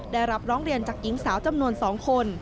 ได้รับร้องเรียนจากหญิงสาวจำนวน๒คน